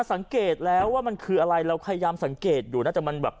สังเกตแล้วว่ามันคืออะไรเราพยายามสังเกตอยู่น่าจะมันแบบ